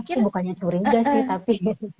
mungkin bukannya curiga sih tapi